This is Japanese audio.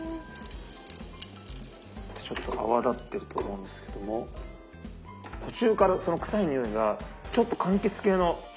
ちょっと泡立ってると思うんですけども途中からその臭いにおいがちょっとかんきつ系の甘い感じに変わってくるんです。